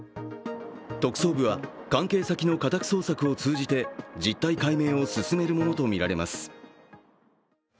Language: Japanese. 特捜部は関係先の家宅捜索を通じて実態解明を進めるものとみられます。